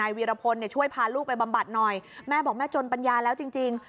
วีรพลเนี่ยช่วยพาลูกไปบำบัดหน่อยแม่บอกแม่จนปัญญาแล้วจริงจริง